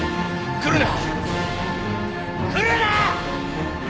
来るな！